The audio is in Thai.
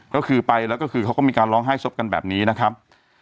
ก็คือไปแล้วก็คือเขาก็มีการร้องไห้ศพกันแบบนี้นะครับ